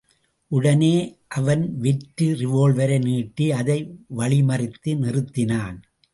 உடனே அவன் வெற்று ரிவோல்வரை நீட்டி அதை வழிமறுத்தி நிறுத்தினான்.